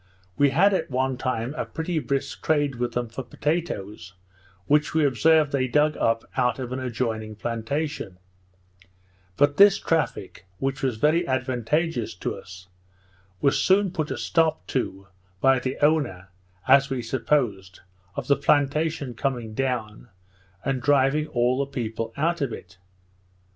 We had, at one time, a pretty brisk trade with them for potatoes, which we observed they dug up out of an adjoining plantation; but this traffic, which was very advantageous to us, was soon put a stop to by the owner (as we supposed) of the plantation coming down, and driving all the people out of it.